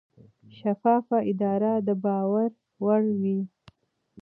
شفافه اداره د باور وړ وي.